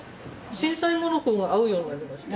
震災後の方が会うようになりました。